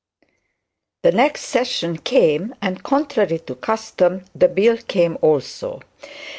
The next session came, and, contrary to custom, the bill came also.